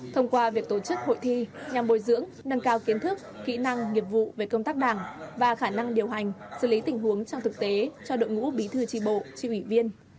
thông qua việc tổ chức hội thi nhằm bồi dưỡng nâng cao kiến thức kỹ năng nghiệp vụ về công tác đảng và khả năng điều hành xử lý tình huống trong thực tế cho đội ngũ bí thư tri bộ tri ủy viên